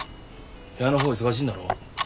部屋の方忙しいんだろ？